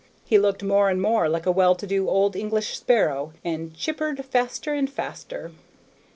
He looked more and more like a well to do old English sparrow, and chippered faster and faster.